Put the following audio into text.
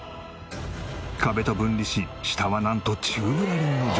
壁と分離し下はなんと中ぶらりんの状態。